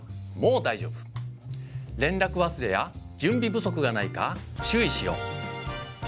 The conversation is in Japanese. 連絡忘れや準備不足がないか注意しよう！